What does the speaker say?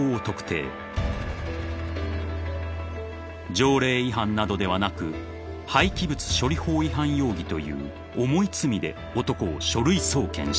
［条例違反などではなく廃棄物処理法違反容疑という重い罪で男を書類送検した］